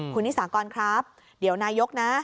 คุณนิสากรครับเดี๋ยวนายกนะ